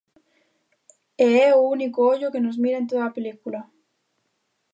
E é o único ollo que nos mira en toda a película.